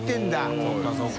そうかそうか。